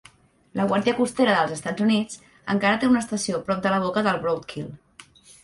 La guàrdia costera dels Estats Units encara té una estació prop de la boca del Broadkill.